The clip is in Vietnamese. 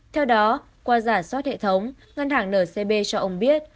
theo đó qua giả soát hệ thống ngân hàng ncb cho ông biết